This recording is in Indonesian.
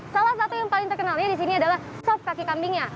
salah satu yang paling terkenalnya disini adalah sop kaki kambingnya